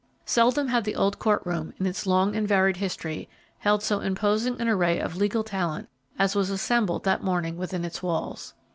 Seldom had the old court room, in its long and varied history, held so imposing an array of legal talent as was assemble that morning within its walls.